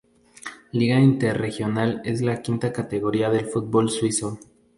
Liga Interregional es la quinta categoría del fútbol suizo.